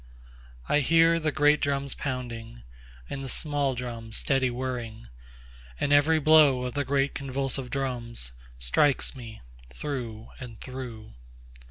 4I hear the great drums pounding, And the small drums steady whirring; And every blow of the great convulsive drums, Strikes me through and through.